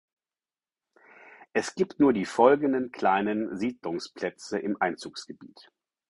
Es gibt nur die folgenden kleinen Siedlungsplätze im Einzugsgebiet.